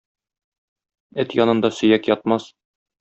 Эт янында сөяк ятмас.